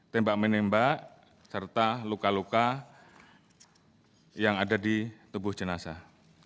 tembak menembak serta luka luka yang ada di tubuh jenazah